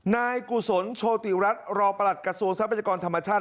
นายกุศลโชติรัฐรองประหลัดกระทรวงทรัพยากรธรรมชาติ